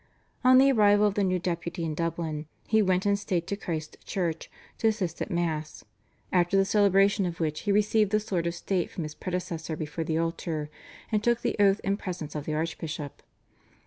On the arrival of the new Deputy in Dublin he went in state to Christ's Church to assist at Mass, after the celebration of which he received the sword of state from his predecessor before the altar, and took the oath in presence of the archbishop.